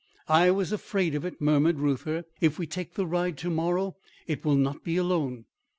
"I was afraid of it," murmured Reuther. "If we take the ride to morrow, it will not be alone.